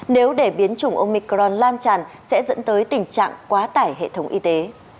nếu để biến chủng omicron lan tràn sẽ dẫn tới tình trạng quá tải hệ thống y tế